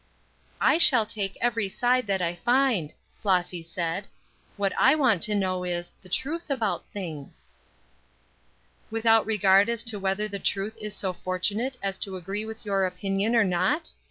"I shall take every side that I find," Flossy said. "What I want to know is, the truth about things." "Without regard as to whether the truth is so fortunate as to agree with your opinion or not?"